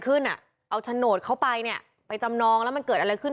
อ่ะเอาโฉนดเข้าไปเนี่ยไปจำนองแล้วมันเกิดอะไรขึ้น